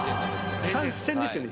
参戦ですよね？